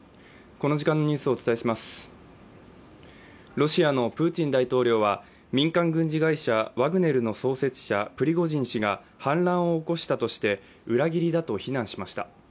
ロシアのプーチン大統領は、民間軍事会社ワグネルの創設者、プリゴジン氏が反乱を起こしたとして裏切りだと非難しました。